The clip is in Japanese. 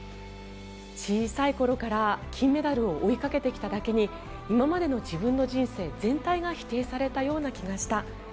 小さい頃から金メダルを追いかけてきただけに今までの自分の人生全体が否定されたような気がした。